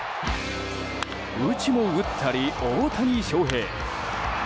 打ちも打ったり大谷翔平。